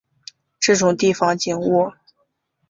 这种地方景物